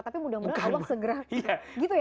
tapi mudah mudahan abang segera gitu ya